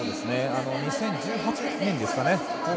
２０１８年ですかね。